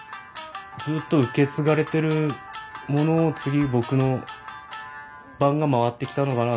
ずっと受け継がれてるものを次僕の番が回ってきたのかなと思って。